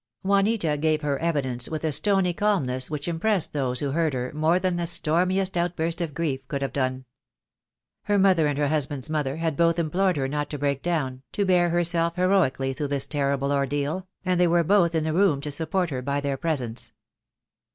Juanita gave her evidence with a stony calmness which impressed those who heard her more than the stormiest outburst of grief would have done. Her mother and her husband's mother had both implored her not to break down, to bear herself heroic ally through this terrible ordeal, and they were both in the room to support her by their presence.